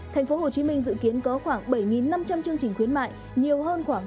tp hcm dự kiến có khoảng bảy năm trăm linh chương trình khuyến mại nhiều hơn khoảng hai mươi đến ba mươi